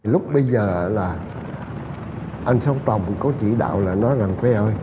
lúc bây giờ là anh sông tòng có chỉ đạo là nói rằng